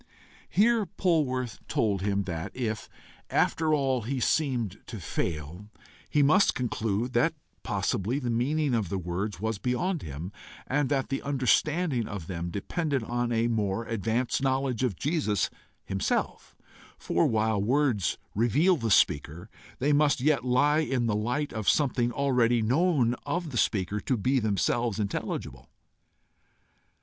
Here Polwarth told him that, if, after all, he seemed to fail, he must conclude that possibly the meaning of the words was beyond him, and that the understanding of them depended on a more advanced knowledge of Jesus himself; for, while words reveal the speaker, they must yet lie in the light of something already known of the speaker to be themselves intelligible.